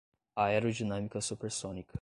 aerodinâmica supersônica